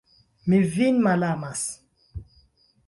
Mi vin malamas!